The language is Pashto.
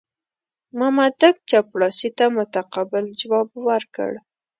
مامدک چپړاسي ته متقابل ځواب ورکړ.